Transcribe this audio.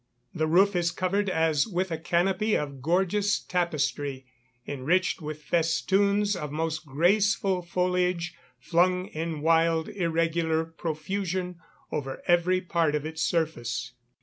The roof is covered as with a canopy of gorgeous tapestry, enriched with festoons of most graceful foliage, flung in wild irregular profusion over every part of its surface.